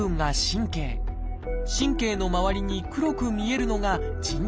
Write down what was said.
神経の周りに黒く見えるのがじん帯。